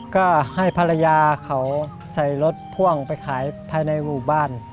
ก็ให้ภรรยาเขาใส่รถพ่วงไปขายภายในหมู่บ้าน